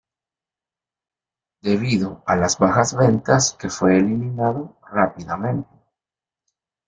Debido a las bajas ventas que fue eliminado rápidamente.